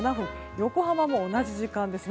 横浜も同じ時間ですね。